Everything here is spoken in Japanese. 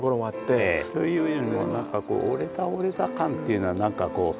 ええ。というよりも何かこう俺だ俺だ感っていうのは何かこう。